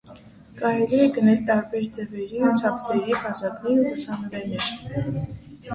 Կարելի է գնել նաև տարբեր ձևերի ու չափսերի բաժակներ ու հուշանվերներ։